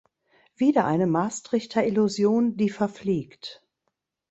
Wieder eine Maastrichter Illusion, die verfliegt!